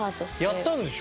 やったんでしょ？